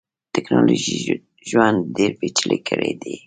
ټکنالوژۍ ژوند ډیر پېچلی کړیدی.